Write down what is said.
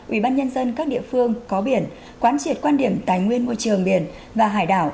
ubnd các địa phương có biển quán triệt quan điểm tài nguyên môi trường biển và hải đảo